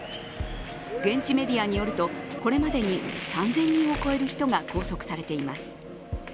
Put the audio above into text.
現地メディアによるとこれまでに３０００人を超える人が拘束されています。